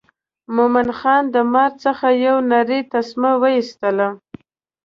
مومن خان د مار څخه یو نرۍ تسمه وایستله.